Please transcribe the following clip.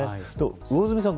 魚住さん